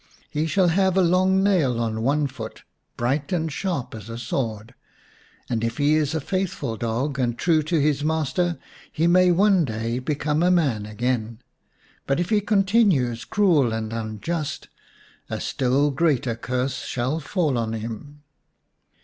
He shall have a long nail on one foot, bright and sharp as a sword. And if he is a faithful dog and true to his master he may one day become a man again. But if he continues cruel and unjust a still greater curse shall fall on him."